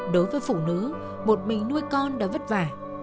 đối với phụ nữ một mình nuôi con đã vất vả